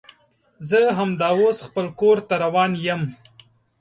زه همدا اوس خپل کور ته روان یم